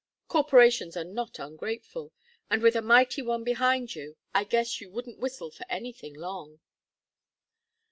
Corporations are not ungrateful, and with a mighty one behind you, I guess you wouldn't whistle for anything, long."